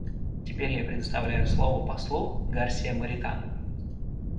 Теперь я предоставляю слово послу Гарсиа Моритану.